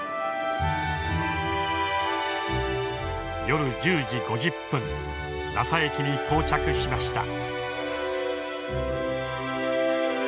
夜１０時５０分ラサ駅に到着しました。